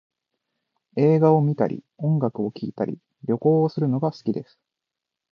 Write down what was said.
映画を観たり音楽を聴いたり、旅行をするのが好きです